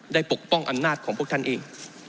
ปกป้องอำนาจของพวกท่านเอง